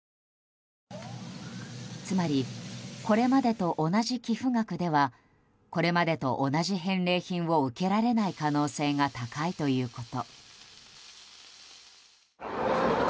つまり、これまでと同じ寄付額ではこれまでと同じ返礼品を受けられない可能性が高いということ。